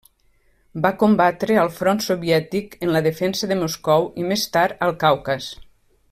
Va combatre al front soviètic en la defensa de Moscou i, més tard, al Caucas.